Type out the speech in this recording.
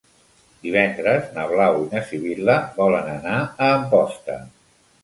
Divendres na Blau i na Sibil·la volen anar a Amposta.